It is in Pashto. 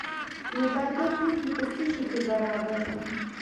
نو دا دوه توکي په څه شي کې برابر دي؟